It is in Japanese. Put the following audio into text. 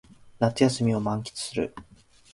夏休みを満喫する